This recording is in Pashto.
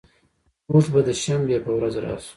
مونږ به د شنبې په ورځ راشو